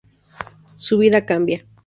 Su vida cambia.